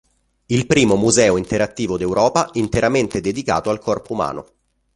Il primo museo interattivo d'Europa interamente dedicato al corpo umano.